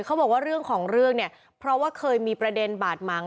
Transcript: เขาบอกว่าเรื่องของเรื่องเนี่ยเพราะว่าเคยมีประเด็นบาดหมาง